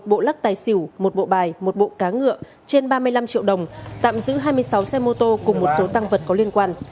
một bộ lắc tài xỉu một bộ bài một bộ cá ngựa trên ba mươi năm triệu đồng tạm giữ hai mươi sáu xe mô tô cùng một số tăng vật có liên quan